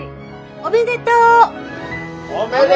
おめでとう！